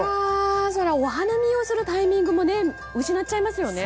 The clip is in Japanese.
それはお花見をするタイミングも失っちゃいますね。